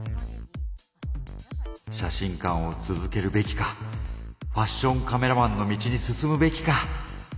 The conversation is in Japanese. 写真館を続けるべきかファッションカメラマンの道に進むべきか。